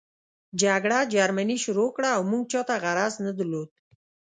جګړه جرمني شروع کړه او موږ چاته غرض نه درلود